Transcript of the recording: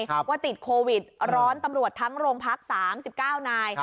ว่าติดโควิดร้อนตำรวจทั้งโรงพัก๓๙นาย